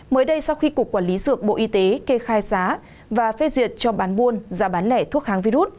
mới đây sau khi cục quản lý dược bộ y tế kê khai giá và phê duyệt cho bán buôn giá bán lẻ thuốc kháng virus